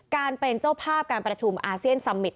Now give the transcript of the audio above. การเป็นเจ้าภาพการประชุมอาเซียนซัมมิต